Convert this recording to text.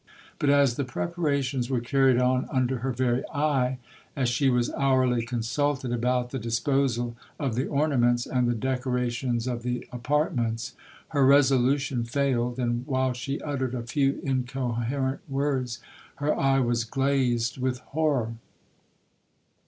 But as the preparations were carried on under her very eye,—as she was hourly consulted about the disposal of the ornaments, and the decorations of the apartments,—her resolution failed, and while she uttered a few incoherent words, her eye was glazed with horror.